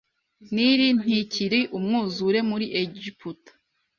Nili ntikiri umwuzure muri Egiputa